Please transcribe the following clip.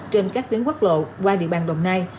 trên các tuyến quốc lộ qua địa bàn đồng nai